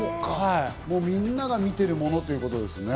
みんなが見てるものということですね。